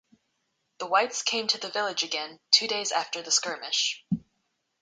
The Whites came to the village again two days after the skirmish.